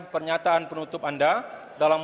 pernyataan penutup anda dalam